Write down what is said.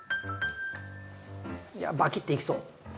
いやバキッていきそう。